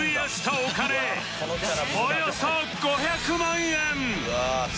およそ５００万円！